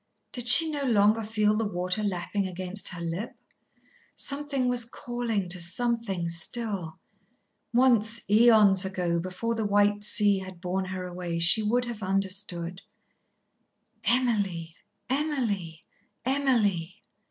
Did she no longer feel the water lapping against her lip? Something was calling to Something still. Once, aeons ago, before the white sea had borne her away, she would have understood. "Emily, Emily, Emily!"